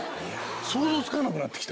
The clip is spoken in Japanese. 想像つかなくなってきた。